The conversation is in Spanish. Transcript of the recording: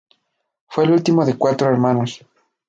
Fue el último de cuatro hermanos.